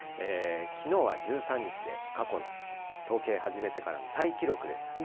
きのうは１３日で、過去の統計始めてからのタイ記録でした。